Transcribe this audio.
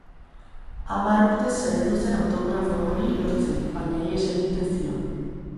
Hamar urtez saiatu zen autografo hori lortzen, baina ihes egiten zion.